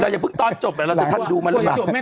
เราอย่าพึ่งตอนจบเราจะทันดูมันเลยล่ะ